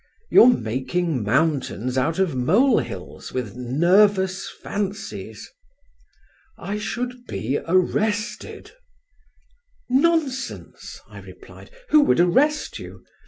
You're making mountains out of molehills with nervous fancies." "I should be arrested." "Nonsense," I replied, "who would arrest you?